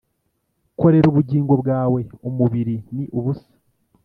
korera ubugingo bwawe, umubiri ni ubusa